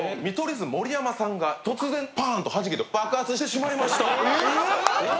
図・盛山さんが突然パーンとはじけて爆発してしまいました。